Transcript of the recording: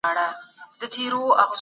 ايا تعليم ګټور دی؟